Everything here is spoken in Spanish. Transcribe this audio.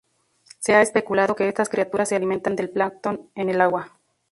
Se ha especulado que estas criaturas se alimentan del plancton en el agua.